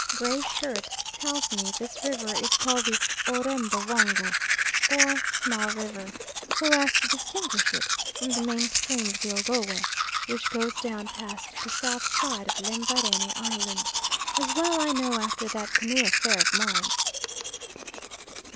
Gray Shirt tells me this river is called the O'Rembo Vongo, or small River, so as to distinguish it from the main stream of the Ogowe which goes down past the south side of Lembarene Island, as well I know after that canoe affair of mine.